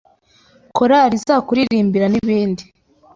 korari izakuririmbira n’ibindi.